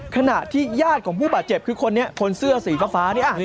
ขณะที่ญาติของผู้บาดเจ็บคือคนนี้คนเสื้อสีฟ้าเนี่ย